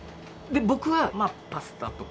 僕はパスタとか。